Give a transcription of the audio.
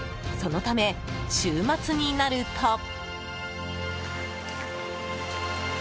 そのため、週末になると。